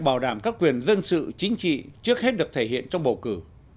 bảo đảm các quyền dân sự chính trị trước hết được thể hiện trong bầu cử